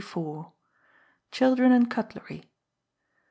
Children and Cutlery.